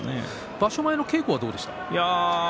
場所前の稽古はどうでした？